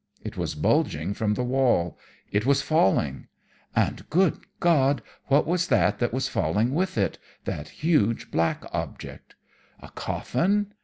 It was bulging from the wall; it was falling! And, Good God, what was that that was falling with it that huge black object? A coffin?